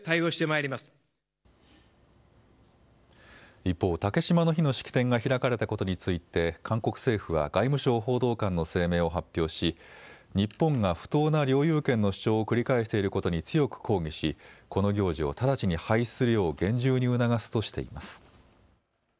一方、竹島の日の式典が開かれたことについて韓国政府は外務省報道官の声明を発表し日本が不当な領有権の主張を繰り返していることに強く抗議しこの行事を直ちに廃止するよう厳重に促すとしています。